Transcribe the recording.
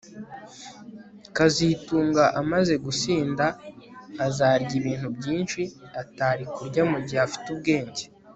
kazitunga amaze gusinda azarya ibintu byinshi atari kurya mugihe afite ubwenge